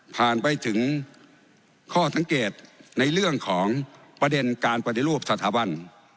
ไปถึงข้อสังเกตในเรื่องของประเด็นการปฏิรูปสถาบัน